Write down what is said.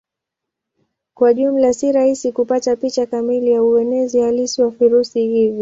Kwa jumla si rahisi kupata picha kamili ya uenezi halisi wa virusi hivi.